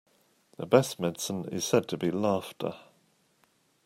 The best medicine is said to be laughter.